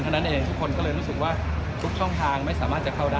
เท่านั้นเองทุกคนก็เลยรู้สึกว่าทุกช่องทางไม่สามารถจะเข้าได้